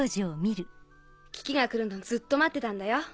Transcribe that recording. キキが来るのずっと待ってたんだよ。